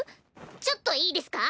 ちょっといいですか？